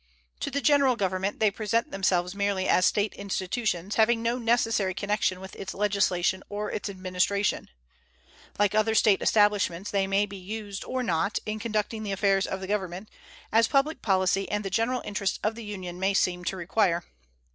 To the General Government they present themselves merely as State institutions, having no necessary connection with its legislation or its administration. Like other State establishments, they may be used or not in conducting the affairs of the Government, as public policy and the general interests of the Union may seem to require.